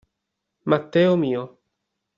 Matteo mio.